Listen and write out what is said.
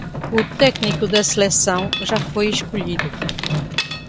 O técnico da seleção já foi escolhido